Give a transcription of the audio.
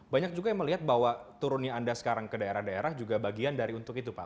banyak juga yang melihat bahwa turunnya anda sekarang ke daerah daerah juga bagian dari untuk itu pak